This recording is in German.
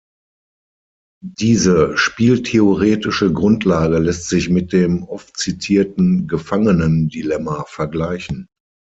Diese spieltheoretische Grundlage lässt sich mit dem oft zitierten Gefangenendilemma vergleichen.